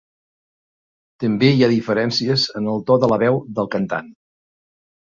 També hi ha diferències en el to de la veu del cantant.